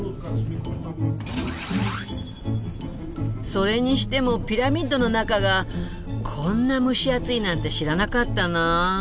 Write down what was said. それにしてもピラミッドの中がこんな蒸し暑いなんて知らなかったなあ。